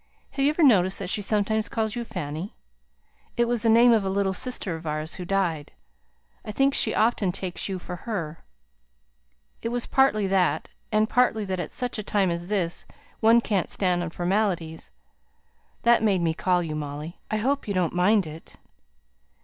Have you ever noticed that she sometimes calls you 'Fanny?' It was the name of a little sister of ours who died. I think she often takes you for her. It was partly that, and partly that at such a time as this one can't stand on formalities, that made me call you Molly. I hope you don't mind it?"